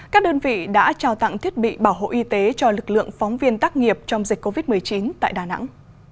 các đơn vị đã trao tặng thiết bị bảo hộ y tế cho lực lượng phóng viên tác nghiệp trong dịch covid một mươi chín tại đà nẵng